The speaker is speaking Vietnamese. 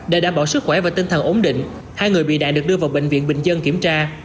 để đảm bảo sức khỏe và tinh thần ổn định hai người bị đại được đưa vào bệnh viện bình dân kiểm tra